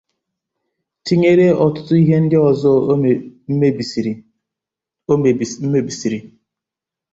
tinyere ọtụtụ ihe ndị ọzọ o mebisiri